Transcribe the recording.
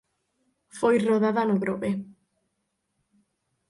Foi rodada no Grove.